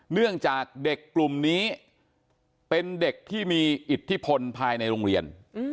เนื่องจากเด็กกลุ่มนี้เป็นเด็กที่มีอิทธิพลภายในโรงเรียน